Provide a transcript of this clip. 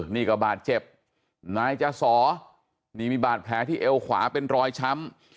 นี่ก็บาดเจ็บนายจสอนี่มีบาดแผลที่เอวขวาเป็นรอยช้ำ